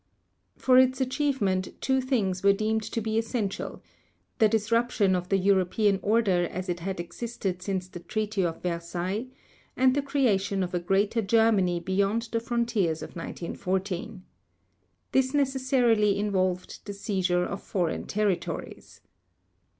For its achievement, two things were deemed to be essential: the disruption of the European order as it had existed since the Treaty of Versailles, and the creation of a Greater Germany beyond the frontiers of 1914. This necessarily involved the seizure of foreign territories.